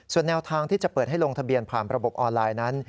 ส่วนแนวทางที่จะเปิดให้ลงทะเบียนผ่านระบบออนไลน์นั้น